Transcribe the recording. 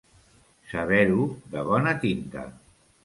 Saber-ho de bona tinta.